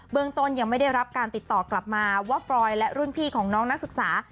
ต้นยังไม่ได้รับการติดต่อกลับมาว่าฟรอยและรุ่นพี่ของน้องนักศึกษา